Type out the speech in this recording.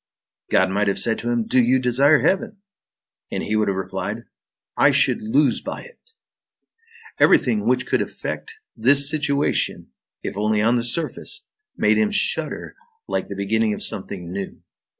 God might have said to him: "Do you desire heaven?" and he would have replied: "I should lose by it." Everything which could affect this situation, if only on the surface, made him shudder like the beginning of something new.